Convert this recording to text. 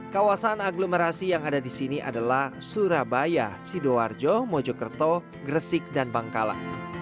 kawasan aglomerasi yang ada di sini adalah surabaya sidoarjo mojokerto gresik dan bangkalan